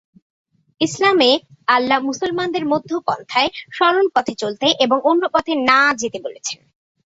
ইসলামে আল্লাহ মুসলমানদের মধ্য পন্থায়, সরল পথে চলতে এবং 'অন্য পথে' না যেতে বলেছেন।